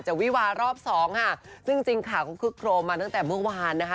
วิวารอบสองค่ะซึ่งจริงข่าวก็คึกโครมมาตั้งแต่เมื่อวานนะคะ